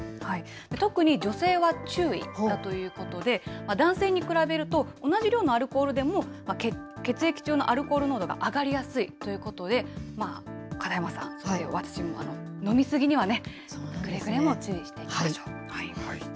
特に、女性は注意だということで、男性に比べると、同じ量のアルコールでも、血液中のアルコール濃度が上がりやすいということで、片山さん、そして私も飲み過ぎにはね、くれぐれも注意していきましょう。